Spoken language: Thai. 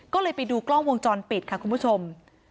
ก็เลยไปดูกล้องวงจรปิดค่ะคุณผู้ชม